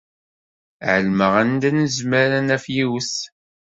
Ɛelmeɣ anda nezmer ad naf yiwet.